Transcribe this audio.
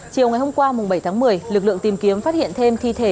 chiều ngày hôm qua bảy tháng một mươi lực lượng tìm kiếm phát hiện thêm thi thể